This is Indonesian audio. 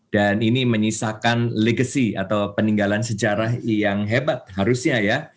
dan ini menyisakan legacy atau peninggalan sejarah yang hebat harusnya ya